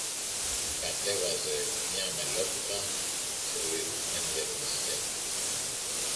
κατέβαζε μια μελόπιτα σερβιρισμένη για το Βασιλιά.